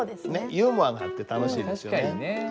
ユーモアがあって楽しいですよね。